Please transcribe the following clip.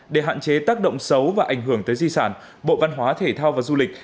để hạn chế tác động xấu và ảnh hưởng tới di sản bộ văn hóa thể thao và du lịch